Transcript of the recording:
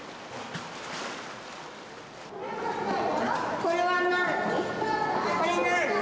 これは何？